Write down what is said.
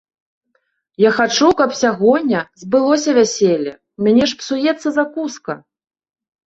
Я хачу, каб сягоння збылося вяселле, у мяне ж псуецца закуска.